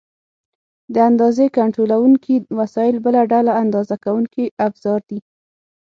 د اندازې کنټرولونکي وسایل بله ډله اندازه کوونکي افزار دي.